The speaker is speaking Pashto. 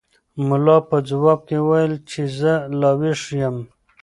ملا په ځواب کې وویل چې زه لا ویښ یم.